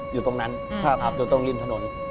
อยู่ตรงนั้นอยู่ตรงริมถนน